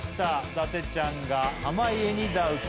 伊達ちゃんが濱家にダウト